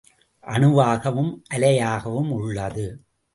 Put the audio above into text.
அணுவாகவும் அலையாகவும் உள்ளது.